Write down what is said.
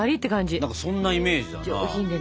何かそんなイメージだな。